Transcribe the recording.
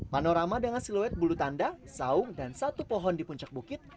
panorama dengan siluet bulu tanda saung dan satu pohon di puncak bukit